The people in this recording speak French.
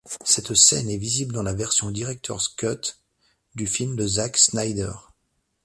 Cette scène est visible dans la version Director's Cut du film de Zack Snyder.